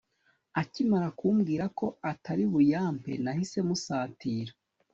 Akimara kumbwira ko atari buyampe nahise musatira